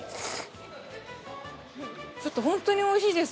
ちょっとホントに美味しいです。